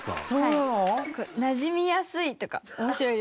「なじみやすい」とか面白いですね。